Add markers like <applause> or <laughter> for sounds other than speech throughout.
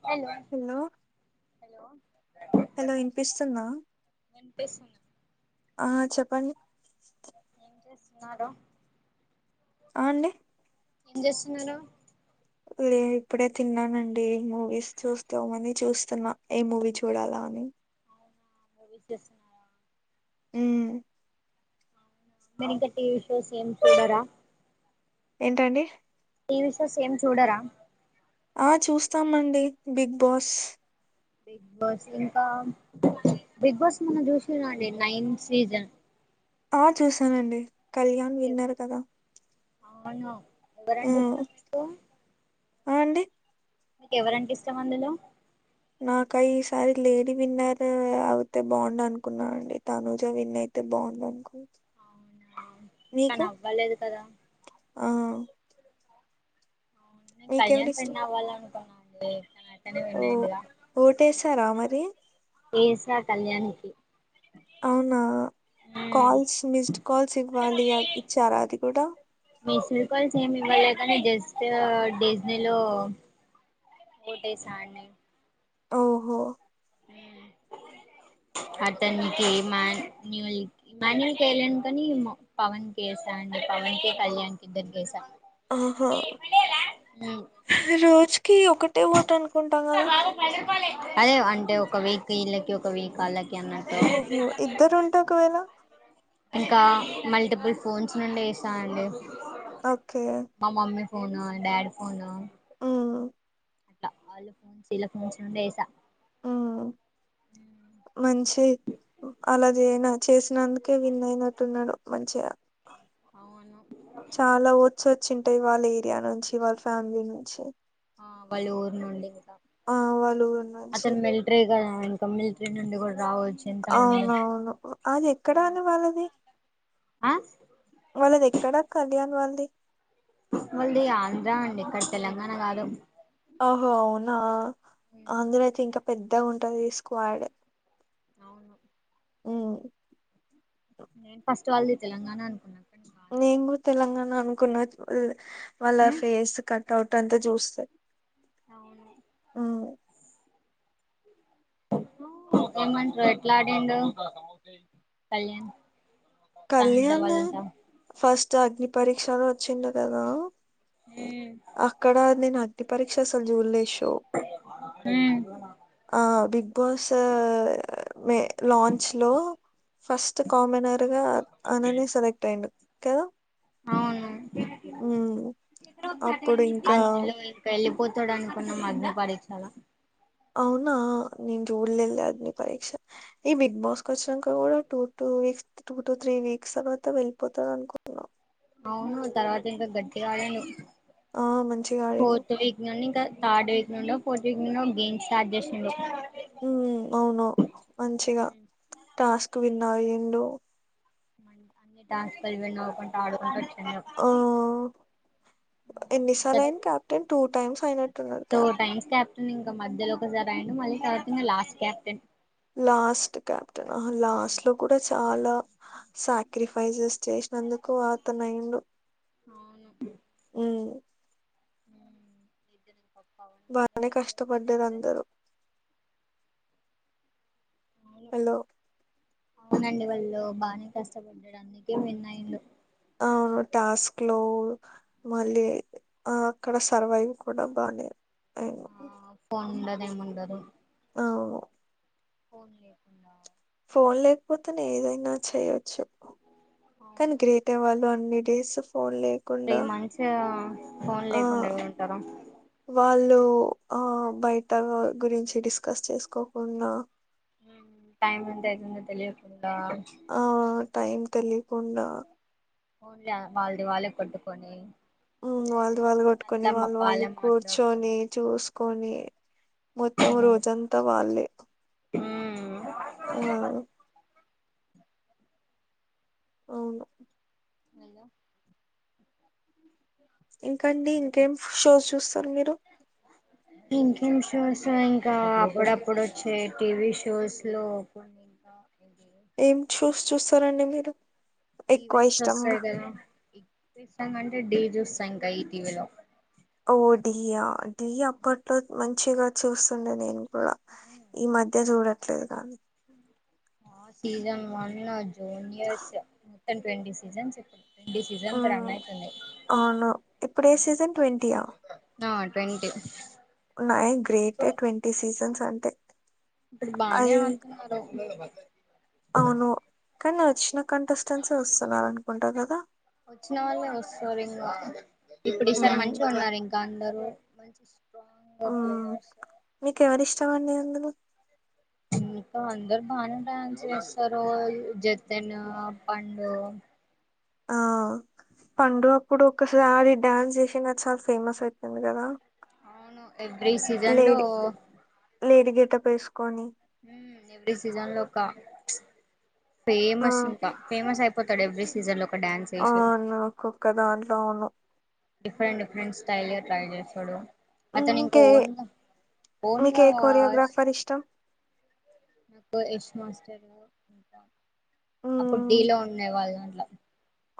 Hello hello hello. Hello యిన్పిస్తుందా, వినిపిస్తున్నా ఆ చెప్పండి. ఏం చేస్తున్నారూ. ఆ అండి ఏం జేస్తున్నారు. లే ఇప్పుడే తిన్నానండి మూవీస్ చూస్తా మని చూస్తున్నా ఏ మూవీ చూడాలా ఊ. ఆ మూవీస్ జేస్తున్నార. ఊ. ఆ మరింకా టివి షోస్ ఏం చూడరా. ఏంటండి. టీవీ షోస్ ఏం చూడరా ఆ చూస్తామండి బిగ్ బాస్. బిగ్ బాస్ ఇంకా, బిగ్ బాస్ మొన్న జూసిరా అండి నైన్ సీజన్. ఆ చూసానండి కళ్యాణ్ విన్నారు కదా. అవును ఎవరంటే ఇష్టం మీకు. ఆండి. నీకు ఎవరంటే ఇష్టం అందులో నాకు ఈసారి లేడీ విన్నర్ అయితే బాగుండు అనుకున్నానండి తనుజా విన్ అయి అంటే బాగుందనుకో అవునా తను నీకు అవ్వలేదు కదా ఆ నేను కళ్యాణ్ మీకెవరిష్టం విన్ అవ్వాలీ అనుకున్నా అతనే విన్ అయ్యిండుగా తరా మరి. ఏసా కళ్యాణికి. అవునా. కాల్స్, మిస్డ్ కాల్స్ ఇవ్వాలి ఇచ్చారా అది గూడ. మిసుడు కాల్స్ ఏమి ఇవ్వలే కానీ జస్ట్ డిజ్నీలో. ఓటేసా అండి. ఓహో. అతనికి మాన్న్యూల్ ఇమాన్యయుల్ కేలేదు కాని పవన్కి యేసాను పవన్ కి కళ్యాణ్ కి ఇద్దరి కేసా ఆహా రోజు కి ఒకటే ఓటు అనుకుంటా కదా అదే అంటే ఒక వీకీళ్ళకి ఒక వీకాళ్ళకి. ఓహో ఇద్దరు ఉంటే ఒకవేళ ఇంకా. మల్టిబుల్ ఫోన్స్ నుండెస్తా అండి. ఓకే మా మమ్మీ ఫోను డాడి ఫోను ఆ అట్ వాళ్ళ ఫోన్స్ ఇలా ఫోన్స్ నుండి ఏస మంచి అలాదేన <unintelligible> అందుకే విన్ అయినట్టున్నాడు మంచిగా అవును చాలా ఓట్స్ వచ్చింటాయి వాళ్ళ ఏరియా నుంచి వాళ్ళ ఫ్యామిలీ నుంచి ఆ బళ్ళు ఉరి నుండి ఆ వాళ్ళు ఊరున్నాంచి ఇ కమ్మి అండి కూడా రావచ్చు ఎంతమంది అవున అవును అది ఎక్కడ అని వాళ్ళది ఆ వాళ్ళది ఎక్కడా కళ్యాణ్ వాళ్ళది వాళ్ళది ఆంధ్రా అండి ఇక్కడ తెలంగాణ కాదు అహో అవునా అందులో అయితే ఇంకా పెద్దగా ఉంటది స్క్వాడ్ అవును అ నేను ఫస్ట్ ఆల్ది తెలంగాణ అనుకున్నాను నేను కూడా తెలంగాణ అనుకున్న వాళ్ళ ఫేర్స్ కట్ అవుట్ అంతా చూస్తాయి అవును ఏమంటారు ఎట్లా ఆడిడు కళ్యాణ్ తనుజ కళ్యాణ్ వాళ్ళంతా ఫస్ట్ అగ్ని పరీక్షలో వచ్చిండ కదా అక్కడ నేను అగ్ని పరీక్ష అసలు చూడలేషో ఉమ్ ఆ బిగ్ బాస్ మ లాంచ్ లో ఫస్ట్ కామనర్ గా అనని సెలెక్ట్ అయడు కదా అవును ఉమ్ అప్పుడు ఇంకా పోతాడు అనుకున్నా మగ్న పడించాల అవునా నిన్ చూడలేద అదని పరీక్ష ఈ బిగ్ బాస్ క వచ్చినాక కూడా two two weeks two two three weeks తర్వాత వెళ్ళిపోతాారు అనుకో అవును తర్వాత ఇంకా గట్టి కాాల ఆ మంచిగా ఆడిండు పోతో వగని దార్డ వ రెండో ఫోజ ఒక గేమ్స్ స్టార్ట్ చేసిడి ఉ అవును మంచిగా టాస్క్ విన్నా ఎండు మ అన్ని ట్రాన్స్ఫర్ ఇవన్నీ అవ్వకుండా ఆడుకుంట వచ్చిండు ఆ ఇంకా ఎన్నిసార్ అయిన కప్టెన్ టూ టైమ్స్ అయినట్టు టూ ప్పు టైమ్స్ క్యాప్టెన్ ఇంకా మధ్యలో ఒకసర అ మళ్ళీ తర్వాత ఇంకా లాస్ట్ క్యాప్టెన్ లాస్ట్ క్యాప్టెన్హ లాస్ట్ లో కూడా చాలా సాక్రిఫైసెస్ చేసినందుకు అత నైండ్ అ ఇద బానే కష్టపడ్డారు అందరూ అవును హలో అవునండి వాళ్ళు బానే కష్టపడ్డాడు అందుకే విన్న ఇలు అవును టాస్క్ లో మళ్ళీ ఆ అక్కడ సర్వైవ్ కూడా బాగానే నమందారు పోన్ లేకున్నా ఫోన్ లేకపోతే ఏదైనా చేయొచ్చు కానీ అవును గ్రేట్ వాళ్ళు అన్నింటి ఫోన్ త్రీ లేకుండా మంత్స్ ఫోన్ ఆ లేకుండా ఉంటారు వాళ్ళు ఆ బయట గురించి డిస్కస్ చేసుకోకుడా టైం ఎత్తయితుందో తెలియకుండా ఆ టైం తెలియకుండా న్లే వాళ్ళది వాళ్ళే కొట్టుకొని వాళ్ళు వళ్ళు కొట్టుకొని మళ్ళా వాళ్ళు వాళ్ళు వాళ్ళే కూర్చొని మాట్లాడుకొని చూసు కొని మొత్తం రోజంతా వాళ్ళే ఉ ఆ అవును హలో ఇంకండి ఇంకేం షోస్ చూస్తారు మీరు ఇంకేం షోస్ ఇంకా అప్పుడప్పుడు వచ్చే టీవీ షోస్ లో ఇది ఏం చూస్ చూస్తారండి మీరు ఎక్కువ ఈవెంట్స్ వస్తాయి ఇష్టంగా కదా ఇ ఇష్టంగంటే ఢీ చూస్తా ఇంకా ఈటీవీలో ఓ ఢీ యా ఢీ అప్పట్లో మంచిగా చూస్తుండే నేను కూడా ఈ మధ్య చూడట్లేదు కాన season one juniors twenty seasons చెప్ప ఈ సీజన్ కి రన్ మ్మ్ అయితన్నయి అవును ఇప్పుడు ఏ సీజన్ ట్వంటీయా రెంట్ నై గ్రేటే ట్వంటీ సీజన్స్ అంటే ఇప్పుడు బానే అది అడతన్నారు అవును కానీ వచ్చిన కంటెస్టెన్స్ వస్తున్నరు అనుకుంటా కదా వచ్చిన వాళ్లే వస్తారు ఇంకా ఇప్పుడు ఈసారి మ్మ్ మంచిగా ఉన్నారు ఇంకా అందరు ఉ మీకు ఎవరి ఇష్టం అండి ఇందులో ఇంకా అందరు బానే డ్యాన్స్ చేస్తారు జతెన్ పండు ఆ పండు అప్పుడు ఒకసారి డ్యాన్స్ చేసిన నాకు చాలా ఫేమస్ అయిపోంది కదా అవును ఎవ్రీ సీజన్ లో పేసుకొని ఎవీ సీజన్ లోకా ఫేమస్ ఆ ఇంకా ఫేమస్ అయిప తడు ఎవరీ సీజన్ లో ఒక డ్యాన్స్ ఆ వేసి నాకొక్క దాంట్లో అవును డిఫరెంట్ డిఫరెంట్ స్టైల్ ట్రై చేస్తడు అతను ఇంకొ ఇంకే ఓనుగా మీకు ఓనుగా ఏ కొరియోగ్రాఫర్ ఇష్టం నాకు యష్ మాస్టర్ అప్పుడు ఢీ మ్మ్ లో ఉండే వాళ్లు అప్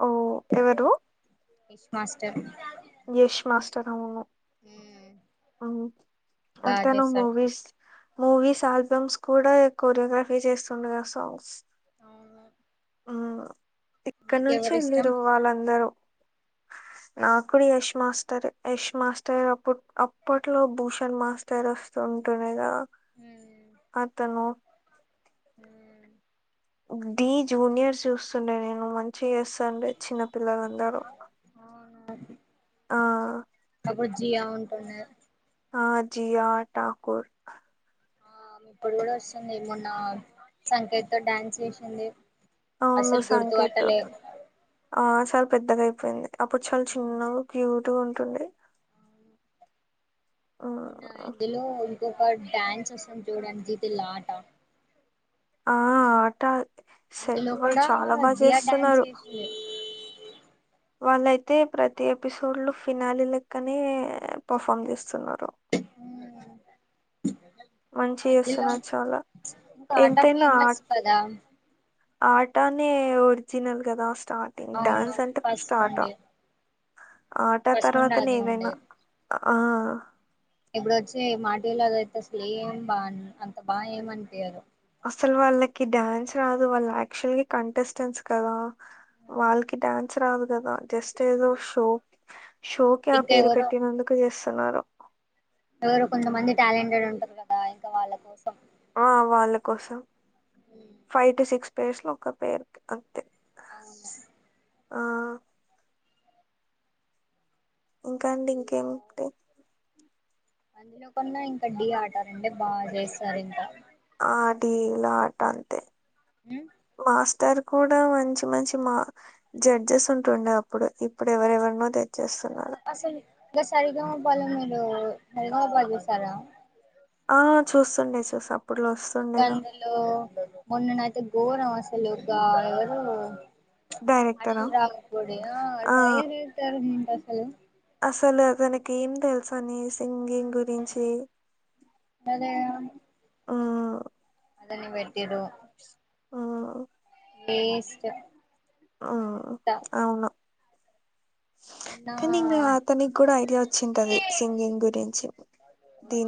ఓ ఎవరు యష్ మాస్టర్ తను ఏ ఉ అతను మూవీస్ మూవీస్ ఆల్బమ్స్ కూడా కోరియోగ్రఫీ చేస్తుండుగా సాంగ్స్ అవునా ఇక్కడ నుంచి మీరు వాళ్ళందరూ నాక్కూడా యష్ మాస్టర్ యష్ మాస్టర్ అప్పు అప్ అప్పట్లో భూషణ్ మాస్టర్ వస్తు ఉంటుడె గద మ్మ్ అతను మ్మ్ ఢీ జూనియర్స్ చూస్తుండే నేను మంచిగ ఏస్తాండె చిన్నప్ పిల్లలందరూ అవును ఆ బుజ్జియా ఉంటన ఆ జియా ఠకూర్ ఆ ఇప్పుడు కూడా వస్తుంది మొన్న సంకేత్ త డ్యాన్స్ చేసింది అవును అసలు గుర్తు సంకేత్ వాట్టాల ఆ చాలా పెద్దగా అయిపోయింది అప్పుడు చాలా చిన్నగా క్యూట్గా ఉంటుంది ఉన్న ఇందులో ఇంకొక డ్యాన్స్ వస్తుంది చూడడానికితేలాట ఆ ఆట స అందులో వాళ్ళు కూడా చాలా బాగా జియా డాన్స్ చేస్తున్నారు చేసింది వాళ్ళయితే ప్రతి ఎపిసోడ్ లో ఫినాలీ లెక్కనే పర్ఫామ్ చేస్తున్నారు మంచి ఆ అందులో చేస్తున్నారు చాలా ఇకా ఆటా ఫేమస్ కదా ఆటానే ఒరిజినల్ కదా స్టార్టింగ్ అవును డాన్స్ అంటే ఫస్ట్ సఫస్టు ఆట నుండి ఆట ఫస్ట్ తర్వాత నుండి అదే నేదై నా ఉండే ఆ ఇప్పుడు వచ్చే మాటివిళ్ళ అద అయితే అసలే ఏం బా అంత బా ఏమ అనిపయారు అసల వాల్ క డడాన్స్ రాదు వాళ్ళు యాక్చువల్ కంటెస్టెంట్స్ కదా వాళ్ళకి డ్యాన్స్ రాదు కదా జస్ట్ ఏదో షో షో కి ఆ ఇంకా పేరు పెట్టినందుకు చేస్తున్నారు ఎవరు కొంతమంది టాలెంటెడ్ ఉంటారు కదా ఇంకా వాళ్ళ కోసం ఆ వాళ్ళ కోసం ఉమ్, ఫైవ్ టు సిక్స్ పేర్స్ లో ఒక పేరు అంతే <unintelligible> ఆ ఇంకా అండి అందులో ఇంకేమి అందులో కొన్నా ఇంకా ఢీ ఆటారంటే బాగా చేస్తారు ఇంకా ఆ లా ఆట అంతే <unintelligible> ఇతరు కూడా మంచి మంచి మా జడ్జెస్ ఉంటుండే అప్పుడు ఇప్పుడు ఎవరెవరినో తె అసలు గ సారిగావ పాల మరు సరిగవా పాదు సారా ఆ చూస్తుండే చూసాం గందులో మొన్ననైతే ఘోరం అసలుగా ఎవరు డైరెక్టరా అనిల్ రావ కోడ ఆ టైర్ ఏతారుంటసలు అసలునక ఏ తెలు పని సింగింగ్ గురించి అదే అదని పెట్టిరు హ్మ్. వేస్ట్ ఆ అంతా అవును ఉన్నా కానీ ఇంకా అతనికి కూడా ఐడియా వచ్చింటది సింగింగ్ గురించి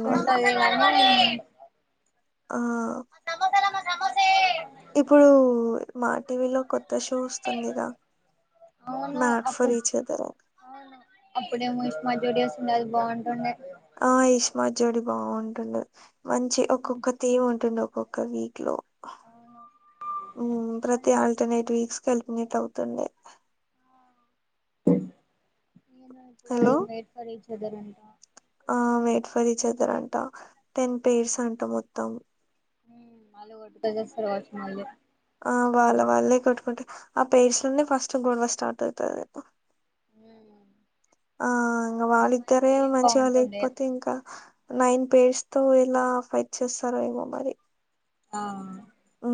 చంట లే <unintelligible> ఆ మ సమోసాల మ సమోసే ఇప్పుడు మా టీవీ లో కొత్త షో వస్తుందిగా మాడెఫోర్ ఈచ్చధర్ అప్పుడే మష్ అది బాగుంటుండే మాజోడి బాగుంటుడు మంచి ఒక్కొక్క థీమ్ ఉంటుడు ఒక్కొక్క వీక్ లో అవును అది ప్రతి ఇప్పుడు ఆల్టర్నేట్ వీక్స్ కల్పినట్ అవుతుండే ఏను అప్పుడది hello! Made for each other అంట ఆ మేడ్ ఫర్ ఈచ్ ఆథర్ అంట టెన్ పేర్స్ అంట మొత్తం మళ్ళీ కొటుగా చేస్తారు వాచ్చు మళ్ళీ ఆ వాళ్ళ వాళ్ళే కట్టుకుంట ఆ పేర్స్లన్న ఫస్ట్ గొడవ స్టార్ట్ అవుతుంది ఆ ఇంకా ఇస్మాన్ వాళ్ళిద్దరే జోడియే మంచిగా బాగుంటుండే లేకపోతే ఇంకా నైన్ పేర్స్ తో ఇలా ఫైట్ చేస్తారో ఏమో మరి ఆ ఉ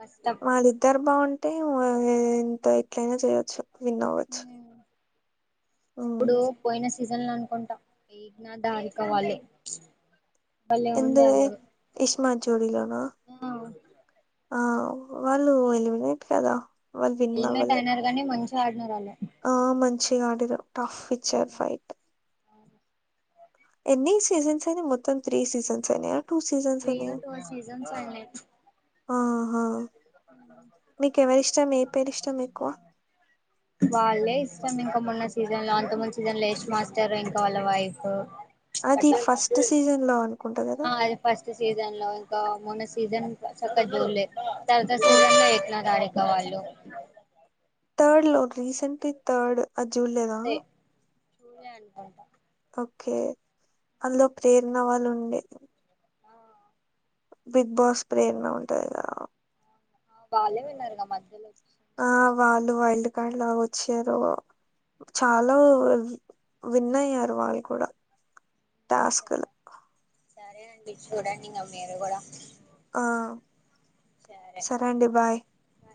కష్టం మాదిిద్దరు బాగుంట అంటే ఇంత ఎట్లయినా చేయొచ్చు విన్ అవ్వచ్చు మ్మ్ ఇప్పుడు పోయినస్ సీజన్లనుకుంటాం వేగిన దాని కావాలే. ఎందుగే ఇష్మా చోరీలోనా ఆ ఆ వాళ్ళు ఎలిమినెట్ కదా. వాళ్ళు విన్నవలే. ఇంకాడినారాళ్ళే ఆ మంచి గాడిర్రట పిక్చర్ ఫైట్ అవును. ఎన్ని సీసన్స్ అయినయ్ మొత్తం త్రీ సీసన్స్ అయినయా ఫ్రీగా టూ సీజన్స్ అయినయ్. ఆహా నీకెవరిష్టం ఏ అ పేరిష్టం చిన్న ఎక్కువ వాళ్ళే ఇష్టమింక మొన్న సీజన్లో అంతముందు సీజన్లో యష్ మాస్టర్ ఇంకా వాళ్ళ వైఫ్ అది ఎట్లయిందంటే ఫస్ట్ సీజన్ లో అనుకుంటా కదా ఆ అది ఫస్ట్ సీజన్లో ఇంకా మొన్న సీజన్ సక్కగా జూల్లే. ఆ సీజన్లో <unintelligible> ంక వాళ్లు తర్డ్లో రీసెంట్లీ తర్డ్ అజూల్లేదా చూళ్ళే అనుకుంటా ఓకే అందులో ప్రేరణ వాళ్ళుండే ఆ బిగ్ బాస్ ప్రేరణ ఉంటాది కదా వాళ్ళే విన్నరుగా మధ్యలో ఆ వచ్చన్నారు వాళ్ళు వైల్డ్ కార్డ్లా వచ్చారు. చాలా విన్నయ్యారు వాళ్ళు కూడా టాస్కులు సరే అండి చూడండింగ మీరు కూడా ఆ సరే సరేండి బాయ్. బాయ్.